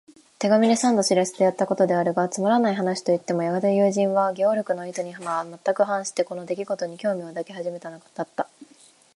手紙で三度知らせてやったことであるが、つまらない話といってもやがて友人は、ゲオルクの意図にはまったく反して、この出来ごとに興味を抱き始めたのだった。